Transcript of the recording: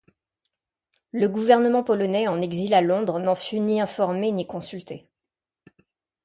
Le gouvernement polonais en exil à Londres n’en fut ni informé ni consulté.